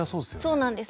そうなんです。